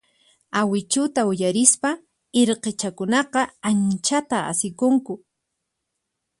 Awichuta uyarispa irqichakunaqa anchata asikunku.